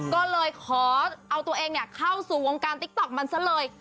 ก็เลยขอเอาตัวเองเข้าสู่วงการติ๊กต๊อกมันซะเลย